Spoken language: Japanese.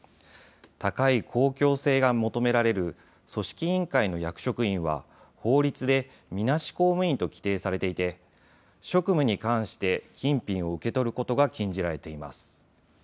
高い公共性が求められる組織委員会の役職員は法律でみなし公務員と規定されていて職務に関して金品を受け取ることが禁じられています。